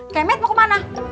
kayak matt mau ke mana